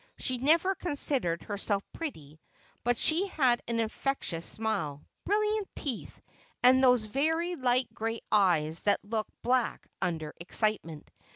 She never considered herself pretty, but she had an infectious smile, brilliant teeth, and those very light gray eyes that look black under excitement.